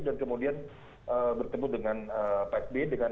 dan kemudian bertemu dengan psb